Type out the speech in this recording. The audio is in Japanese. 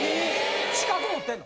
・資格持ってんの？